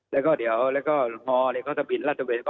แล้วก็เดี๋ยวแล้วก็ฮแล้วก็สะบินรัฐเวทย์